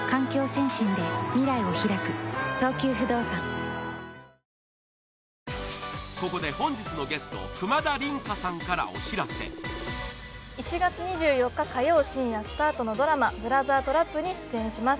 今回もここで本日のゲスト１月２４日火曜深夜スタートのドラマ「ブラザー・トラップ」に出演します